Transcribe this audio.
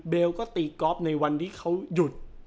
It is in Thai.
ก็ตีกอล์ฟในวันที่เขาหยุด